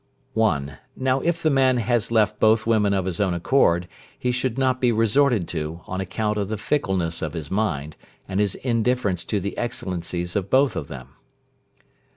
(1). Now if the man has left both women of his own accord, he should not be resorted to, on account of the fickleness of his mind, and his indifference to the excellencies of both of them.